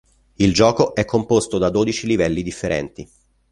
Il gioco è composto da dodici livelli differenti.